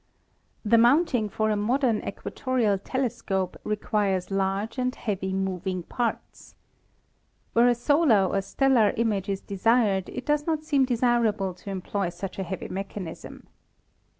The mounting for a modern equatorial telescope requires large and heavy moving parts. Where a solar or stellar image is desired it does not seem desirable to employ such a heavy mechanism.